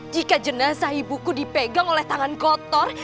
jika jenazah ibuku dipegang oleh tangan kotor